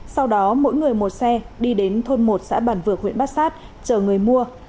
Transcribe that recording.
sau đó mỗi người một xe đi đến thôn một xã bản vược huyện bát sát chờ người mua